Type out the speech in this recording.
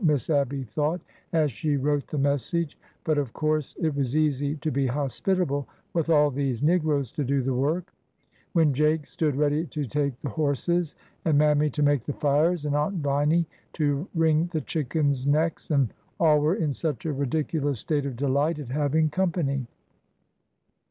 Miss Abby thought, as she wrote the message ; but, of course, it was easy to be hospitable with all these negroes to do the work,— when Jake stood ready to take the horses, and Mammy to make the fires, and Aunt Viny to wring the chickens' necks, and all were in such a ridiculous state of delight at having company.